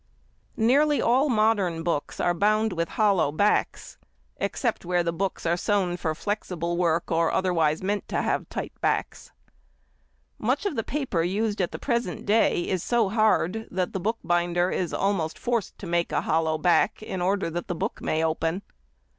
Nearly all modern books are bound with hollow backs, except where the books are sewn for flexible work or otherwise meant to have tight backs. Much of the paper used at the present day is so hard, that the binder is almost forced to make a hollow back, in order that the book may open.